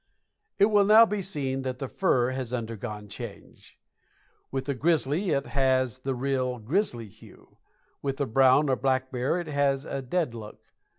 It will now be seen that the fur has undergone a change. With the grizzly it has the real grizzly hue; with the brown or black bear it has a dead look.